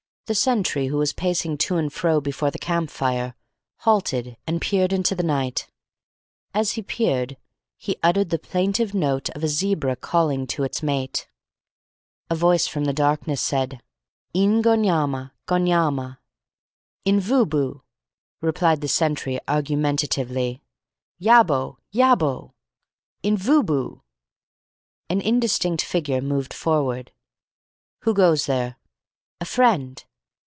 The sentry, who was pacing to and fro before the camp fire, halted, and peered into the night. As he peered, he uttered the plaintive note of a zebra calling to its mate. A voice from the darkness said, "Een gonyama gonyama." "Invooboo," replied the sentry argumentatively "Yah bo! Yah bo! Invooboo." An indistinct figure moved forward. "Who goes there?" "A friend."